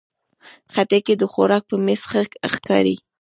خټکی د خوراک په میز ښه ښکاري.